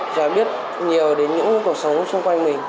và biết nhiều đến những cuộc sống xung quanh mình